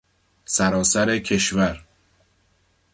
سراسر کشور